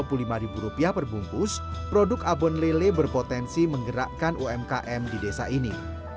setelah menjual dua puluh lima ribu rupiah perbungkus produk abon lele berpotensi menggerakkan umkm di desa ini